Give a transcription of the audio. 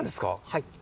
はい。